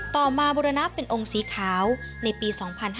ต่อมาบุรณะเป็นองค์สีขาวในปี๒๕๕๙